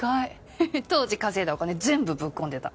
ふふっ当時稼いだお金全部ぶっ込んでた。